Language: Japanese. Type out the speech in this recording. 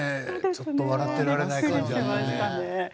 ちょっと笑っていられない感じ。